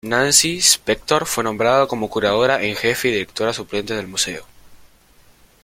Nancy Spector fue nombrada como Curadora en Jefe y Directora Suplente del Museo.